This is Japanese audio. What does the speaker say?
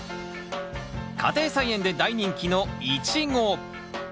家庭菜園で大人気のイチゴ。